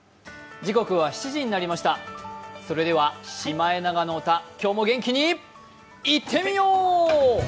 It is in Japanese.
それではシマエナガの歌今日も元気にいってみよう！